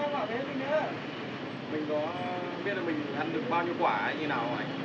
bao nhiêu quả ấy như thế nào ạ